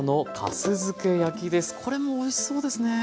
これもおいしそうですね。